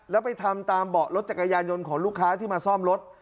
แล้วไปทำตามเบาะรถจักรยานยนต์ของลูกค้าที่มาซ่อมรถ